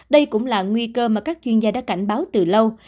đây cũng là nguy cơ mà các chuyên gia đã cảnh báo từ lâu